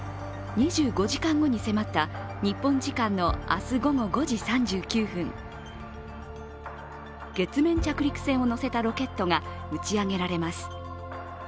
２５時間後に迫った日本時間の明日午後５時３９分、月面着陸船をのせたロケットが打ち上げられます。